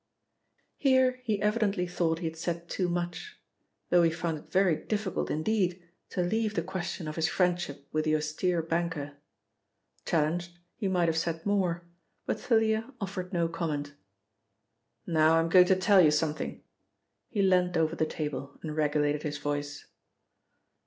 Here, he evidently thought he had said too much, though he found it very difficult indeed to leave the question of his friendship with the austere banker. Challenged, he might have said more, but Thalia offered no comment. "Now, I'm going to tell you something," he leant over the table and regulated his voice.